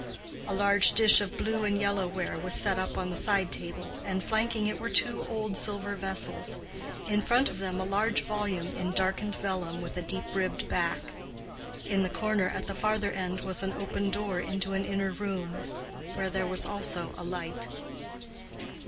A large dish of blue and yellow ware was set up on the side table, and flanking it were two old silver vessels; in front of them a large volume in darkened vellum with a deep ribbed back. In the corner at the farther end was an open door into an inner room, where there was also a light.